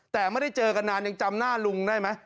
แต่ไม่ได้เจอกันนานยังจำหน้าลุงได้ไหม